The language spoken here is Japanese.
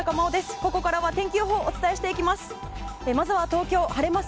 ここからは天気予報をお伝えしていきます。